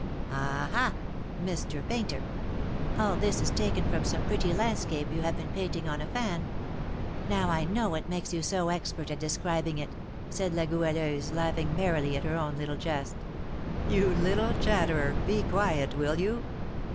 "Ah, ha, Mr. Painter! All this is taken from some pretty landscape you have been painting on a fan. Now I know what makes you so expert at describing it!" said La Goualeuse, laughing merrily at her own little jest. "You little chatterer, be quiet, will you?"